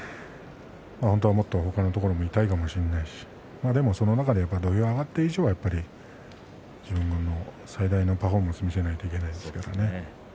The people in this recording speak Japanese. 本当はもっと他のところが痛いかもしれないしでもその中で土俵に上がっている以上自分の最大のパフォーマンスを見せないといけないんですからね。